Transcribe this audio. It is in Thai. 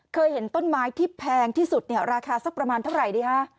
เคยเห็นต้นไม้ที่แพงที่สุดเนี่ยราคาสักประมาณเท่าไหร่ดีฮะ